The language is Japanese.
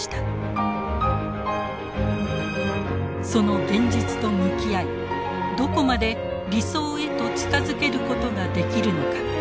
その「現実」と向き合いどこまで「理想」へと近づけることができるのか。